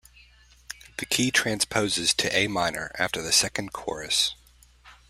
The key transposes to A minor after the second chorus.